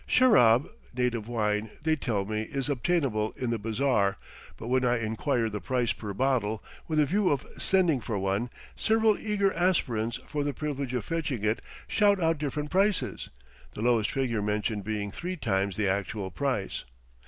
Sherab (native wine) they tell me, is obtainable in the bazaar, but when I inquire the price per bottle, with a view of sending for one, several eager aspirants for the privilege of fetching it shout out different prices, the lowest figure mentioned being three times the actual price.